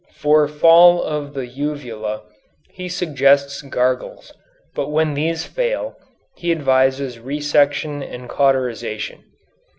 For fall of the uvula he suggests gargles, but when these fail he advises resection and cauterization.